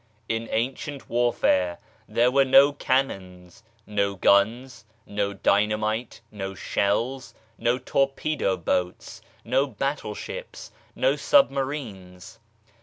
In ancient warfare there were no cannons, no guns, no dynamite, no shells, no torpedo boats, no battleships, no submarines.